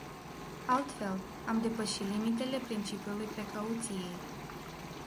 Altfel, am depăși limitele principiului precauției.